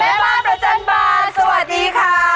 แม่บ้านประจันบานสวัสดีค่ะ